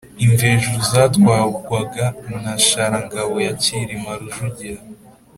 Imvejuru zatwarwaga na Sharangabo ya Cyilima Rujugira